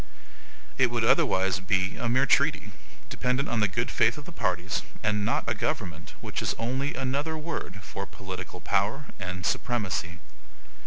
It would otherwise be a mere treaty, dependent on the good faith of the parties, and not a government, which is only another word for POLITICAL POWER AND SUPREMACY.